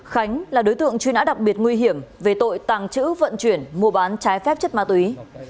khánh là đối tượng truy nã đặc biệt nguy hiểm về tội tàng trữ vận chuyển mua bán trái phép chất ma túy